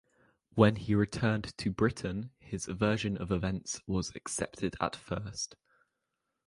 When he returned to Britain his version of events was accepted at first.